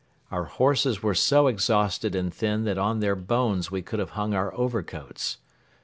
Our horses were so exhausted and thin that on their bones we could have hung our overcoats.